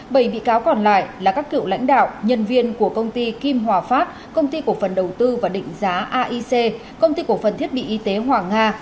bảy bị cáo còn lại là các cựu lãnh đạo nhân viên của công ty kim hòa phát công ty cổ phần đầu tư và định giá aic công ty cổ phần thiết bị y tế hoàng nga